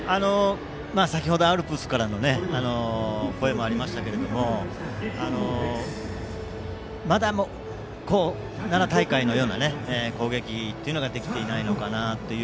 先程アルプスからの声もありましたがまだ奈良大会のような攻撃ができていないのかなという。